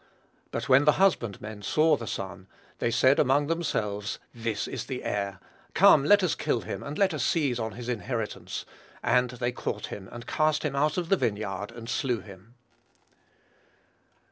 But when the husbandmen saw the son, they said among themselves, This is the heir, come let us kill him, and let us seize on his inheritance. And they caught him, and cast him out of the vineyard, and slew him."